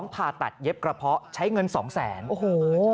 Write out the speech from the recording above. ๒ผ่าตัดเย็บกระเพาะใช้เงิน๒๐๐๐๐๐บาท